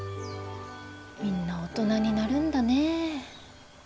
みんな大人になるんだね。